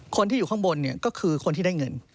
คนที่อยู่ข้างบนเนี่ยก็คือคนที่ได้เงิน